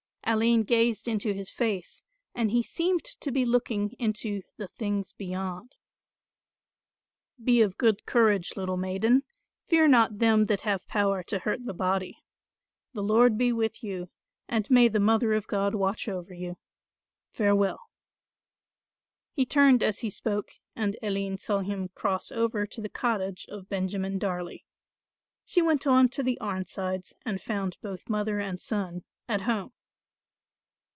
Aline gazed into his face and he seemed to be looking into the things beyond. "Be of good courage, little maiden, fear not them that have power to hurt the body. The Lord be with you, and may the Mother of God watch over you; farewell." He turned as he spoke and Aline saw him cross over to the cottage of Benjamin Darley. She went on to the Arnsides and found both mother and son at home.